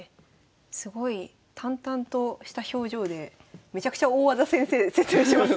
すごい淡々とした表情でめちゃくちゃ大技先生説明しますね。